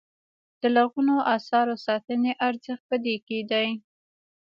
د لرغونو اثارو ساتنې ارزښت په دې کې دی.